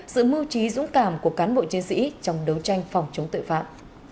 sự mưu trí dũng cảm của cán bộ chiến sĩ trong đấu tranh phòng chống tội phạm